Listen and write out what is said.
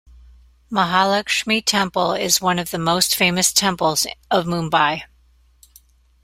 Mahalaxmi Temple is one of the most famous temples of Mumbai.